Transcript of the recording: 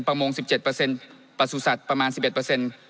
ประโมงสิบเจ็ดเปอร์เซ็นต์ประสูตรสัตว์ประมาณสิบเอ็ดเปอร์เซ็นต์